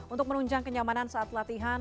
untuk menunjang kenyamanan saat latihan